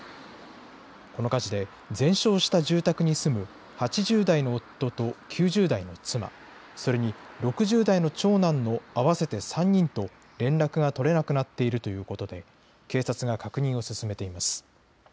この火事で全焼した住宅に住む８０代の夫と９０代の妻、それに６０代の長男の合わせて３人と連絡が取れなくなっているということで、警察が確認を進めています。